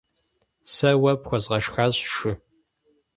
Сэ уэ пхуэзгъэшхащ шы.